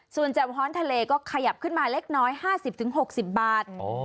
ส่วนแจ่วฮ้อนทะเลก็ขยับขึ้นมาเล็กน้อย๕๐๖๐บาท